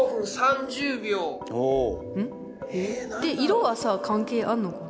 で色はさ関係あんのかな？